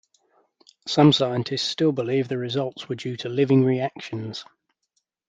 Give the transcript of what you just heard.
Some scientists still believe the results were due to living reactions.